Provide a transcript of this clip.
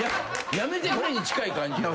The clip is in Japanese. やめてくれに近い感じ。